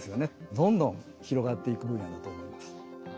どんどん広がっていく分野だと思います。